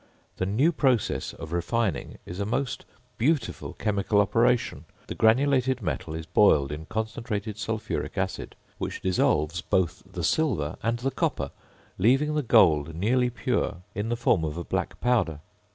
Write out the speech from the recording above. The new process of refining is a most beautiful chemical operation: the granulated metal is boiled in concentrated sulphuric acid, which dissolves both the silver and the copper, leaving the gold nearly pure, in the form of a black powder.